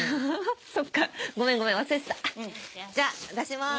そっかごめんごめん忘れてたじゃ出します！